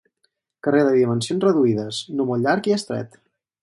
Carrer de dimensions reduïdes, no molt llarg i estret.